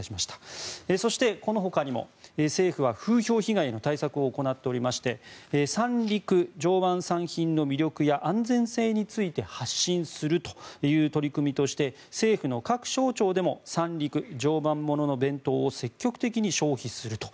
そして、このほかにも政府は風評被害への対策を行っておりまして三陸・常磐産品の魅力や安全性について発信する取り組みとして政府の各省庁でも三陸・常磐ものの弁当を積極的に消費すると。